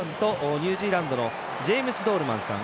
ニュージーランドのジェームズ・ドールマンさん。